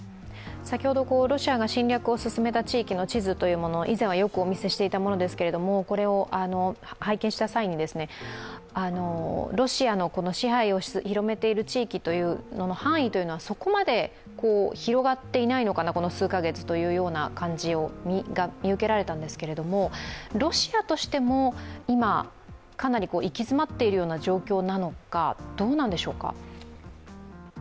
先ほど、ロシアが侵略を進めた地域の地図というものを以前はよくお見せしていたものですが、これを拝見した際にロシアの支配を広めている地域の範囲はそこまで広がっていないのかな、この数カ月というような感じが見受けられたんですがロシアとしても今、かなり行き詰まっているような状況なのか、どうなんでしょうか？